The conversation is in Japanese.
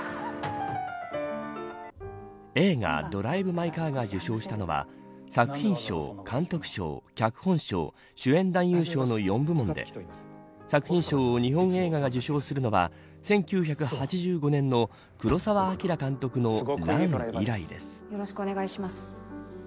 映画ドライブ・マイ・カーが受賞したのは作品賞、監督賞脚本賞、主演男優賞の４部門で作品賞を日本映画が受賞するのは１９８５年の黒澤明監督の乱、以来です。